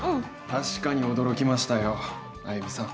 確かに驚きましたよ歩美さん。